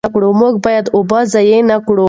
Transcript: موږ باید اوبه ضایع نه کړو.